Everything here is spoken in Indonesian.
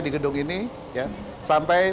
di gedung ini sampai